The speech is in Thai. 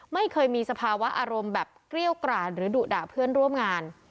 ไม่เคยมีสภาวะอารมณ์แบบเกรี้ยวกราดหรือดุด่าเพื่อนร่วมงาน